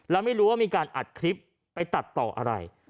แล้วไม่รู้ว่ามีการอัดคลิปไปตัดต่ออะไร